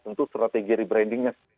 tentu strategi rebrandingnya